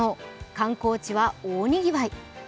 観光地は大にぎわい。